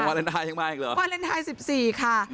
วาเลนไทย๑๔ค่ะ